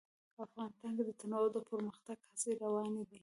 افغانستان کې د تنوع د پرمختګ هڅې روانې دي.